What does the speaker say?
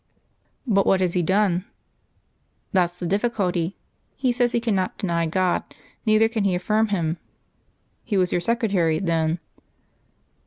"But what has he done?" "That's the difficulty. He says he cannot deny God, neither can he affirm Him. He was your secretary, then?"